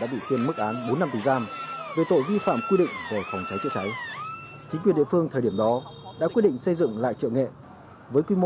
các hạng mục đầu tư về phòng cháy chữa cháy cũng được thực hiện